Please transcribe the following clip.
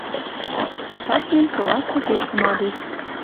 Шачмем солашты кечӹ мадеш